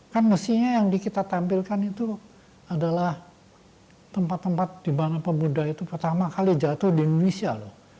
kan mestinya yang kita tampilkan itu adalah tempat tempat di mana pemuda itu pertama kali jatuh di indonesia loh